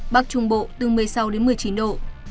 bắc trung bộ từ một mươi sáu đến một mươi chín độ